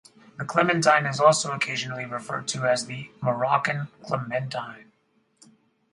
The clementine is also occasionally referred to as the "Moroccan clementine".